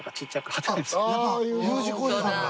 あっやっぱＵ字工事さんだ。